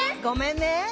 「ごめんね」